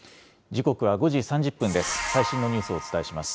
時刻は５時３０分です。